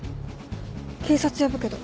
警察呼ぶけど。